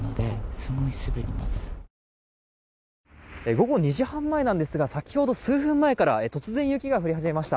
午後２時半前なんですが先ほど数分前から突然、雪が降り始めました。